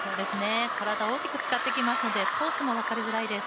体を大きく使ってきますので、コースも分かりづらいです。